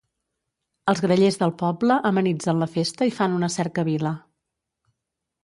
Els grallers del poble amenitzen la festa i fan una cercavila.